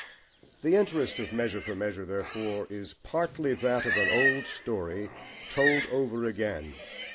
The interest of Measure for Measure, therefore, is partly that of an old story told over again.